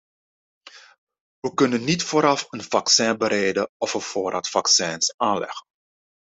We kunnen niet vooraf een vaccin bereiden of een voorraad vaccins aanleggen.